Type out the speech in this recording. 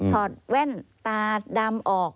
อดแว่นตาดำออก